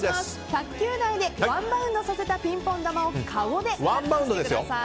卓球台でワンバウンドさせたピンポン球をかごでキャッチしてください。